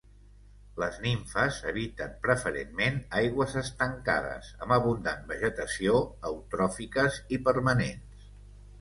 Les nimfes habiten preferentment aigües estancades, amb abundant vegetació, eutròfiques i permanents.